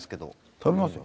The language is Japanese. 食べますよ。